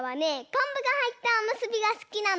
こんぶがはいったおむすびがすきなの。